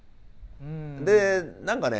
で何かね